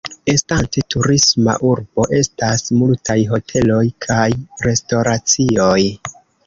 Estante turisma urbo, estas multaj hoteloj kaj restoracioj.